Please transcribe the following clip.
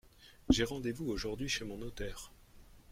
J’ai rendez-vous aujourd’hui chez mon notaire.